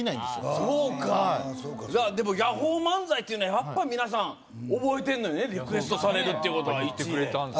そうかでもヤホー漫才というのはやっぱ皆さん覚えてんのよねリクエストされるっていうことは１位で言ってくれたんですよ